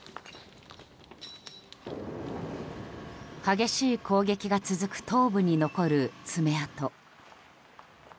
激しい攻撃が続く東部に残る爪痕。